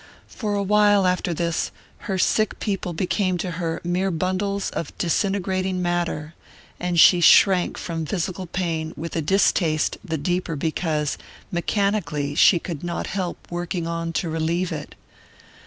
For a while, after this, her sick people became to her mere bundles of disintegrating matter, and she shrank from physical pain with a distaste the deeper because, mechanically, she could not help working on to relieve it.